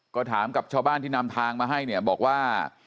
ก็ถามกับชาวบ้านที่นำทางมาให้เนี่ยบอกว่า